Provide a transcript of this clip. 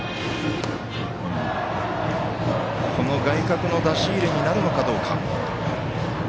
外角の出し入れになるのかどうか。